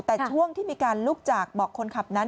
แต่ช่วงที่มีการลุกจากเบาะคนขับนั้น